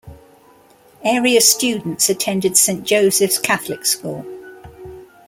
Area students attended Saint Joseph's Catholic School.